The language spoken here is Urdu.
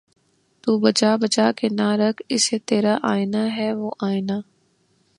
تو بچا بچا کے نہ رکھ اسے ترا آئنہ ہے وہ آئنہ